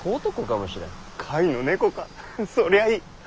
甲斐の猫かそりゃいい！